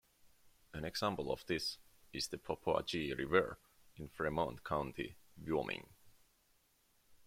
An example of this is the Popo Agie River in Fremont County, Wyoming.